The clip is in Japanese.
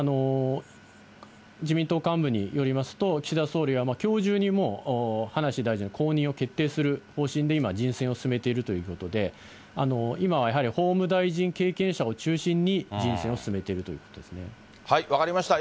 自民党幹部によりますと、岸田総理はきょう中にもう葉梨大臣の後任を決定する方針で、今、人選を進めているということで、今はやはり法務大臣経験者を中心に人選を進めているということで分かりました。